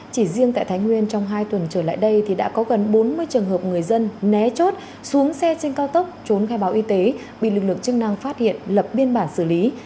chỉ riêng tại thái nguyên trong hai tuần trở lại đây thì đã có gần bốn mươi trường hợp người dân né chốt xuống xe trên cao tốc trốn khai báo y tế bị lực lượng chức năng phát hiện lập biên bản xử lý